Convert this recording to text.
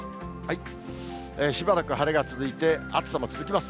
しばらく晴れが続いて、暑さも続きます。